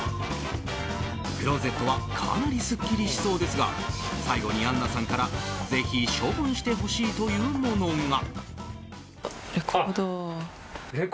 クローゼットはかなりすっきりしそうですが最後に、あんなさんからぜひ処分してほしいというものが。